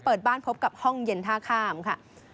เปิดบ้านพบกับห้องเย็นท่าข้ามค่ะ